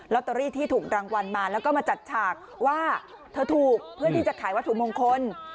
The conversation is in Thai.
ตอรี่ที่ถูกรางวัลมาแล้วก็มาจัดฉากว่าเธอถูกเพื่อที่จะขายวัตถุมงคล